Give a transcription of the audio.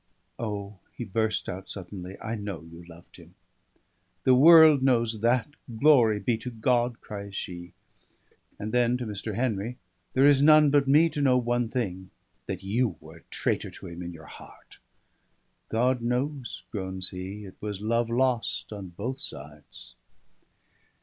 "O!" he burst out suddenly, "I know you loved him." "The world knows that, glory be to God!" cries she; and then to Mr. Henry: "There is none but me to know one thing that you were a traitor to him in your heart." "God knows," groans he, "it was lost love on both sides."